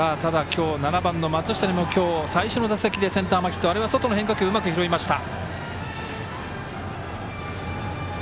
７番の松下にも今日、最初の打席でセンター前ヒットあるいは外の変化球うまく拾いました。